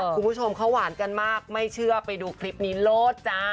คุณผู้ชมเขาหวานกันมากไม่เชื่อไปดูคลิปนี้โลดจ้า